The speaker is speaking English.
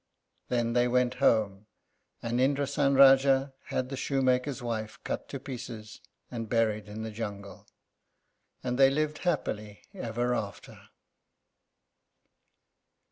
Then they went home, and Indrásan Rájá had the shoemaker's wife cut to pieces, and buried in the jungle. And they lived happily ever after.